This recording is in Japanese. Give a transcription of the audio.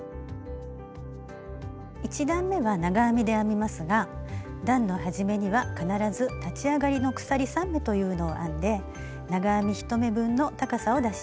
１段めは長編みで編みますが段の始めには必ず立ち上がりの鎖３目というのを編んで長編み１目分の高さを出します。